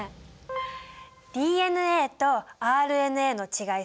ＤＮＡとＲＮＡの違い